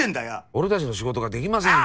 俺たちの仕事ができません。